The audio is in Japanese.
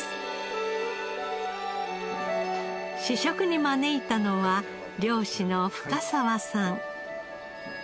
試食に招いたのは漁師の深澤さん。